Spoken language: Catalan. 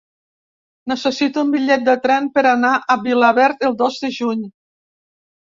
Necessito un bitllet de tren per anar a Vilaverd el dos de juny.